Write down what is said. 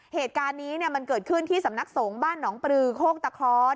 เหตุการณ์นี้เนี่ยมันเกิดขึ้นที่สำนักสงฆ์บ้านหนองปรือโฆตะเคาะ